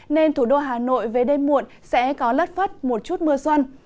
nên thủ đô hà nội về đêm muộn sẽ có lất phất một chút mưa xuân